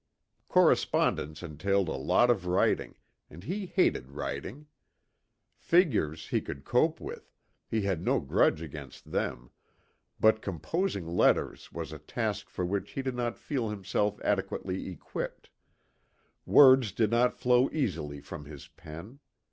Correspondence entailed a lot of writing, and he hated writing. Figures he could cope with, he had no grudge against them, but composing letters was a task for which he did not feel himself adequately equipped; words did not flow easily from his pen.